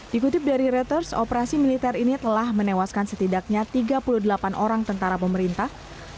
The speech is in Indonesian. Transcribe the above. dikutip dari reuters operasi militer ini telah menewaskan setidaknya tiga puluh delapan orang tentara pemerintah